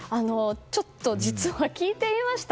ちょっと、実は聞いてみました。